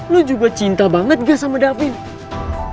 lu juga cinta banget gak sama daphne